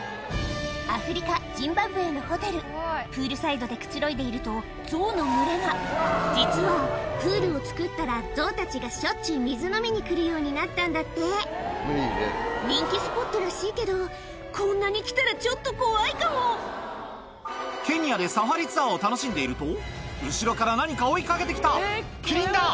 アフリカジンバブエのホテルプールサイドでくつろいでいるとゾウの群れが実はプールを作ったらゾウたちがしょっちゅう水飲みに来るようになったんだって人気スポットらしいけどこんなに来たらちょっと怖いかもケニアでサファリツアーを楽しんでいると後ろから何か追い掛けて来たキリンだ！